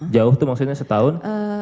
jauh tuh maksudnya setahun